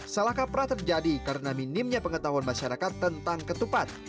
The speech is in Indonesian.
salahkah pernah terjadi karena minimnya pengetahuan masyarakat tentang ketupat